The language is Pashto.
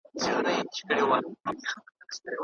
د ځوانانو خنداګانو د سړک ارامي او چوپتیا را ماته کړې وه.